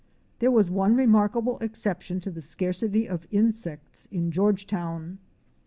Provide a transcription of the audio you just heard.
There was one remarkable exception to the scarcity of insects in Georgetown.